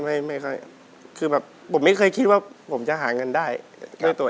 ไม่ค่อยคือแบบผมไม่เคยคิดว่าผมจะหาเงินได้ด้วยตัวเอง